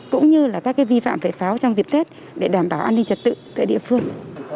cũng như là các vi phạm về pháo trong dịp tết để đảm bảo an ninh trật tự tại địa phương